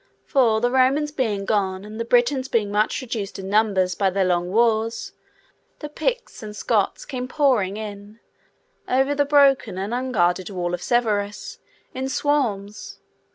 For, the Romans being gone, and the Britons being much reduced in numbers by their long wars, the Picts and Scots came pouring in, over the broken and unguarded wall of Severus, in swarms.